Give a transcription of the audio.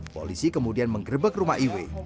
polisi kemudian menggerbek rumah iwe